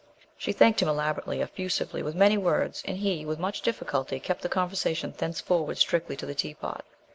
She thanked him elaborately, effusively, with many words, and he, with much difficulty, kept the conversation thenceforward strictly to the teapot.